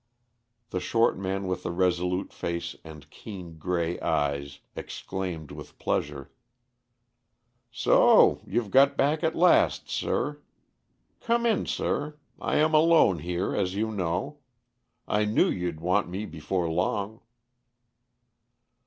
The short man with the resolute face and keen, gray eyes exclaimed with pleasure: "So you've got back at last, sir. Come in, sir. I am alone here as you know. I knew you'd want me before long."